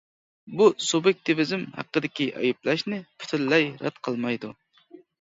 بۇ سۇبيېكتىۋىزم ھەققىدىكى ئەيىبلەشنى پۈتۈنلەي رەت قىلمايدۇ.